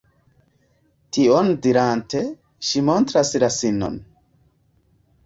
Tion dirante ŝi montras la sinon.